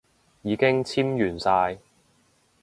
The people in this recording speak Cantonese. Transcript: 已經簽完晒